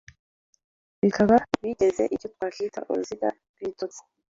bikaba bigize icyo twakwita uruziga rwibitotsi